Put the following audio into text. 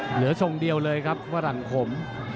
ทรงเดียวเลยครับฝรั่งขม